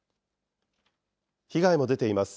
被害も出ています。